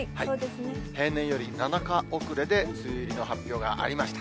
平年より７日遅れで梅雨入りの発表がありました。